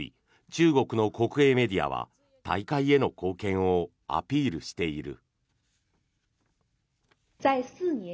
中国の国営メディアは大会への貢献をアピールしている。